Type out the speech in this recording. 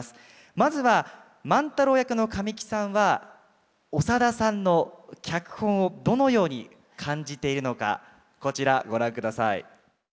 まずは万太郎役の神木さんは長田さんの脚本をどのように感じているのかこちらご覧ください。